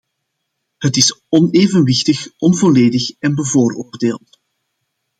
Het is onevenwichtig, onvolledig en bevooroordeeld.